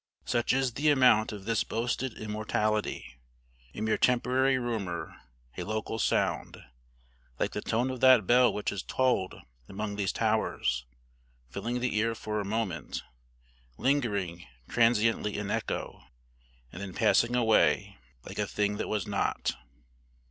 Such is the amount of this boasted immortality. A mere temporary rumor, a local sound; like the tone of that bell which has tolled among these towers, filling the ear for a moment, lingering transiently in echo, and then passing away, like a thing that was not!